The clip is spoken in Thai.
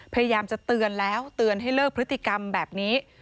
พยายามตื่นให้เลิกพฤติกรรมแบบนี้